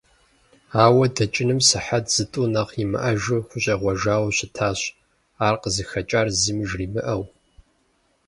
Ауэ дэкӀыным сыхьэт зытӀу нэхъ имыӀэжу хущӀегъуэжауэ щытащ, ар къызыхэкӀар зыми жримыӀэу.